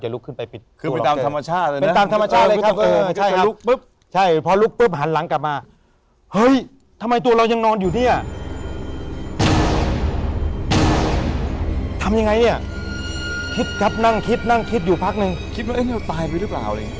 ที่นี้คือเราตายไปรึเปล่า